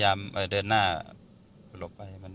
ยังยังยัง